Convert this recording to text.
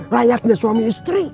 layaknya suami istri